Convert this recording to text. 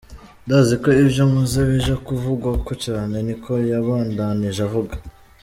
"Ndazi ko ivyo nkoze bija kuvugwako cane," niko yabandanije avuga.